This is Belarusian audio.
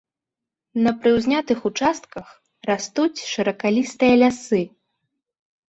На прыўзнятых участках растуць шыракалістыя лясы.